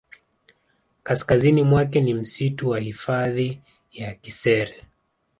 Kaskazini kwake ni msitu wa hifadhi ya Kisere